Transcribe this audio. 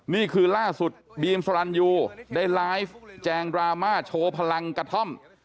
นี่คือล่าสุดบีมสรรยูได้ไลฟ์แจงดราม่าโชว์พลังกระท่อม